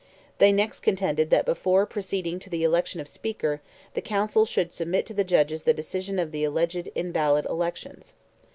They next contended that before proceeding to the election of Speaker the Council should submit to the Judges the decision of the alleged invalid elections.